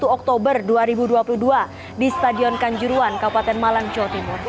satu oktober dua ribu dua puluh dua di stadion kanjuruan kabupaten malang jawa timur